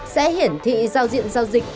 sẽ hiển thị giao diện giao dịch